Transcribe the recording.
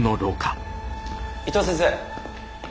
伊藤先生。